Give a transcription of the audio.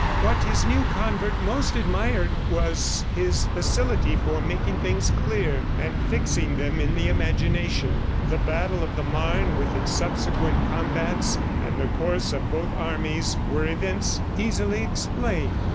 What his new convert most admired was his facility for making things clear, and fixing them in the imagination. The battle of the Marne with its subsequent combats and the course of both armies were events easily explained.